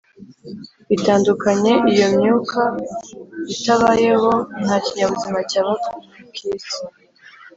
itandukanye Iyo myuka itabayeho nta kinyabuzima cyaba k isi